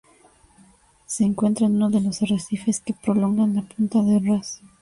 Se encuentra en uno de los arrecifes que prolongan la punta de Raz.